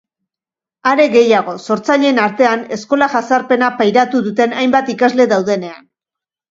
Are gehiago, sortzaileen artean, eskola jazarpena pairatu duten hainbat ikasle daudenean.